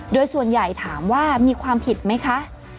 โดยส่วนใหญ่ถามว่ามีความผิดไหมคะ